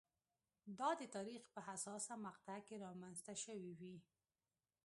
دا د تاریخ په حساسه مقطعه کې رامنځته شوې وي.